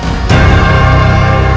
kau tidak akan menemukan aku